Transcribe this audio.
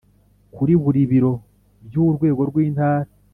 kuri buri biro by urwego rw intara